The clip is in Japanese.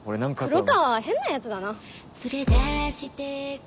黒川は変なヤツだな。